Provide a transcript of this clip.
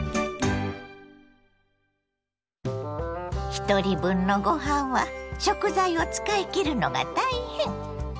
ひとり分のごはんは食材を使い切るのが大変。